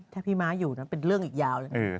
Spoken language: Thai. ถ้าพี่ม้าอยู่นั้นเป็นเรื่องอีกยาวเลย